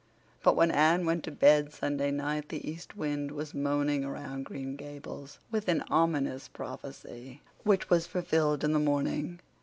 But when Anne went to bed Sunday night the east wind was moaning around Green Gables with an ominous prophecy which was fulfilled in the morning.